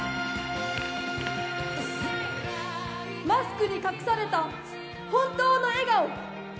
マスクに隠された本当の笑顔。